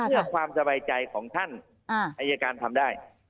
ถ้าความสบายใจของค่านั้นค่ายาการทำได้